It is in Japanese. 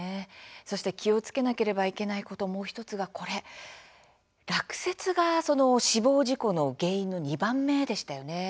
そして気をつけなければいけないこと、もう１つがこれ落雪が、死亡事故の原因の２番目でしたよね。